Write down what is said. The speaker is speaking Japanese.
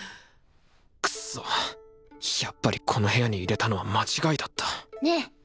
クソやっぱりこの部屋に入れたのは間違いだったねえ。